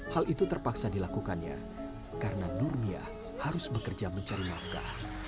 hal itu terpaksa dilakukannya karena nurmiah harus bekerja mencari nafkah